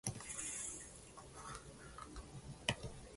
They are often hard to see as they forage through dense vegetation.